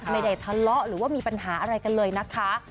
ไม่ได้ทะเลาะหรือว่ามีปัญหาอะไรกันเลยนะคะ